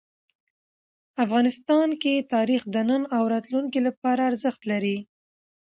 افغانستان کې تاریخ د نن او راتلونکي لپاره ارزښت لري.